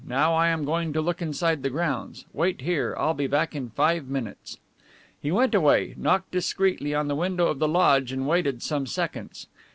Now I am going to look outside the grounds. Wait here; I'll be back in five minutes." He went away, knocked discreetly on the window of the lodge and waited some seconds.